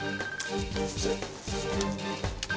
失礼。